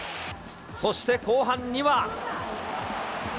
そして後半には。